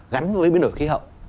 gắn với biến đổi khí hậu